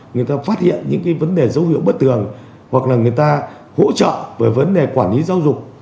người ta phát hiện những vấn đề dấu hiệu bất tường hoặc là người ta hỗ trợ về vấn đề quản lý giáo dục